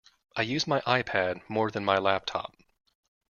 I use my iPad more than my laptop